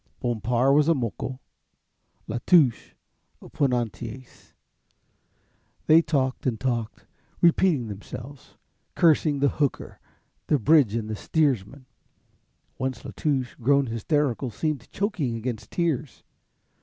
Bompard was a Moco, La Touche a Ponantaise. They talked and talked, repeating themselves, cursing the "hooker," the Bridge and the steersman. Once La Touche, grown hysterical, seemed choking against tears.